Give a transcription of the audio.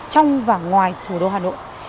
trong và ngoài thủ đô hà nội